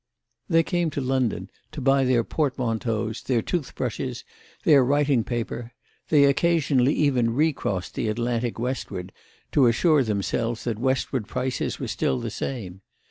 They came to London to buy their portmanteaus, their toothbrushes, their writing paper; they occasionally even recrossed the Atlantic westward to assure themselves that westward prices were still the same.